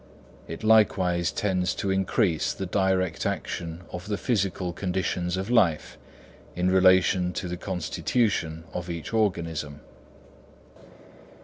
It likewise tends to increase the direct action of the physical conditions of life, in relation to the constitution of each organism.